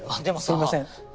すいません。